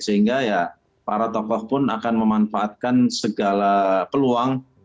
sehingga ya para tokoh pun akan memanfaatkan segala peluang